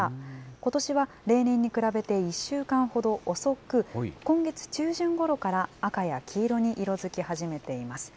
ことしは例年に比べて１週間ほど遅く、今月中旬ごろから赤や黄色に色づき始めています。